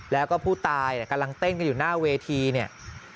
แล้วก็ผู้ตายกำลังเต้นกันอยู่หน้าเวทีเนี่ย